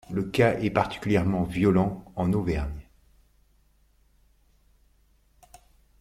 Le cas est particulièrement violent en Auvergne.